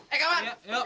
eh kawan cabut